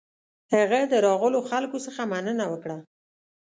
هغه د راغلو خلکو څخه مننه وکړه.